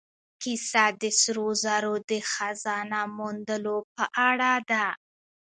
کیسه د سرو زرو د خزانه موندلو په اړه ده.